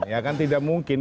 ya kan tidak mungkin